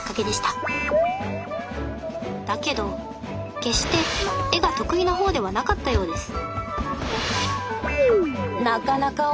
だけど決して絵が得意な方ではなかったようです